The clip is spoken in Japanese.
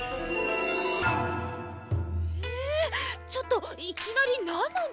ちょっといきなりなんなんですか？